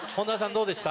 どうでした？